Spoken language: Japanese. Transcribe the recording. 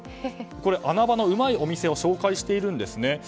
穴場のうまいお店を紹介しているんですね。